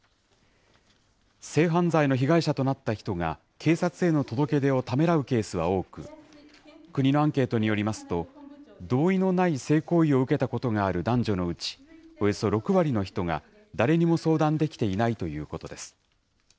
性犯罪の被害者となった人が、警察への届け出をためらうケースは多く、国のアンケートによりますと、同意のない性行為を受けたことがある男女のうち、およそ６割の人が、誰にも相談できていないということです。